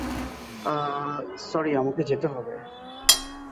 আহহ, sorry, আমাকে যেতে হবে।